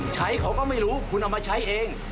ใช้เขาก็ไม่รู้คุณเอามาใช้เอง